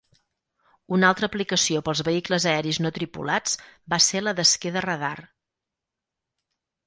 Una altra aplicació pels vehicles aeris no tripulats va ser la d'esquer de radar.